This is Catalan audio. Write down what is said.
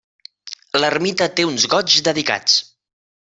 L'ermita té uns goigs dedicats.